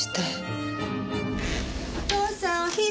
お父さんお昼。